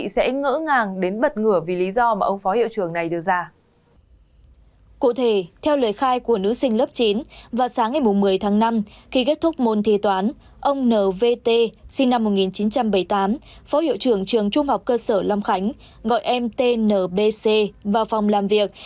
sinh năm một nghìn chín trăm bảy mươi tám phó hiệu trưởng trường trung học cơ sở long khánh gọi em tnbc vào phòng làm việc